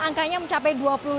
angkanya mencapai dua puluh lima